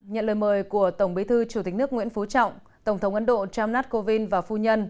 nhận lời mời của tổng bí thư chủ tịch nước nguyễn phú trọng tổng thống ấn độ ramnath kovind và phu nhân